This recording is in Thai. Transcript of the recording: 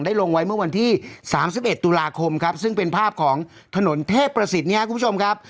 ได้ลงไว้เมื่อวันที่สามสิบเอ็ดตุลาคมครับซึ่งเป็นภาพของถนนเทพประสิทธิ์เนี้ยครับคุณผู้ชมครับ